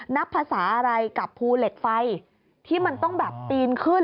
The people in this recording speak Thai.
นับภาษาอะไรกับภูเหล็กไฟที่มันต้องแบบปีนขึ้น